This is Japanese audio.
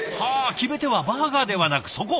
決め手はバーガーではなくそこ。